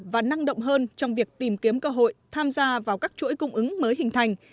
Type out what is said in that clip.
và năng động hơn trong việc tìm kiếm cơ hội tham gia vào các chuỗi cung ứng mới hình thành